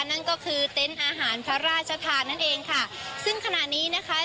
นั่นก็คือเต็นต์อาหารพระราชทานนั่นเองค่ะซึ่งขณะนี้นะคะ